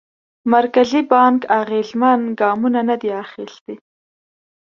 مرکزي بانک اغېزمن ګامونه ندي اخیستي.